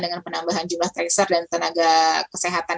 dengan penambahan jumlah tracer dan tenaga kesehatan